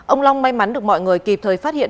ông long may mắn được mọi người kịp thời phát hiện